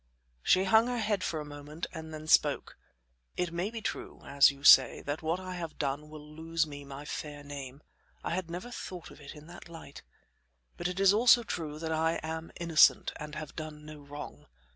She hung her head for a moment and then spoke: "It may be true, as you say, that what I have done will lose me my fair name I had never thought of it in that light but it is also true that I am innocent and have done no wrong.